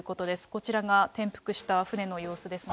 こちらが転覆した船の様子ですね。